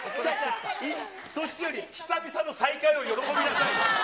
そっちより久々の再会を喜びなさいよ。